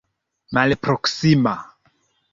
malproksima